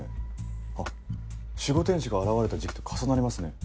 あっ守護天使が現れた時期と重なりますね。